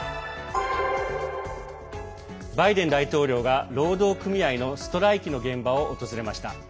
バイデン大統領が労働組合のストライキの現場を訪れました。